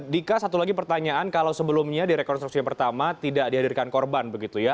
dika satu lagi pertanyaan kalau sebelumnya di rekonstruksi yang pertama tidak dihadirkan korban begitu ya